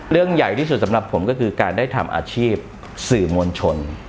เรื่องใหญ่ที่สุดสำหรับผมก็คือการได้ทำอาชีพสื่อมวลชน